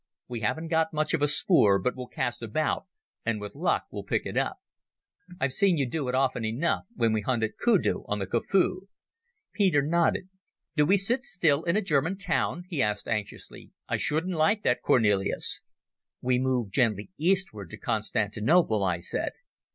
We haven't got much of a spoor, but we'll cast about, and with luck will pick it up. I've seen you do it often enough when we hunted kudu on the Kafue." Peter nodded. "Do we sit still in a German town?" he asked anxiously. "I shouldn't like that, Cornelis." "We move gently eastward to Constantinople," I said.